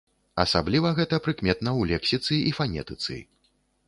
Асабліва гэта прыкметна ў лексіцы і фанетыцы.